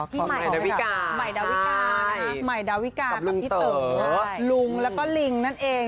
ไหม่ดาวิกาแล้วกับพี่เต๋อลุงแล้วก็ลิงนั่นเอง